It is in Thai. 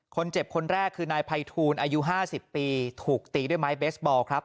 คนเจ็บคนแรกคือนายภัยทูลอายุ๕๐ปีถูกตีด้วยไม้เบสบอลครับ